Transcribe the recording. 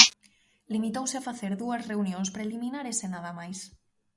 Limitouse a facer dúas reunións preliminares e nada máis.